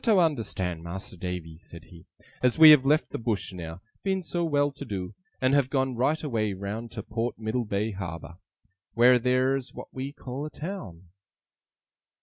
'You are to understan', Mas'r Davy,' said he, 'as we have left the Bush now, being so well to do; and have gone right away round to Port Middlebay Harbour, wheer theer's what we call a town.